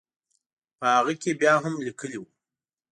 په هغه کې بیا هم لیکلي وو.